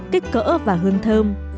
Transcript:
kích cỡ và hương thơm